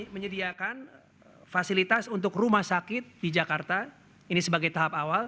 menyediakan fasilitas untuk rumah sakit di jakarta ini sebagai tahap awal